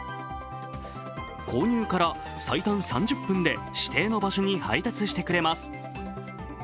購入から最短３０分で、指定の場所に配達してくれます。